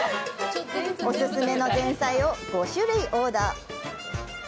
お勧めの前菜を５種類オーダー。